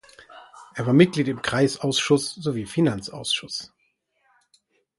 Er war Mitglied im Kreisausschuss sowie Finanzausschuss.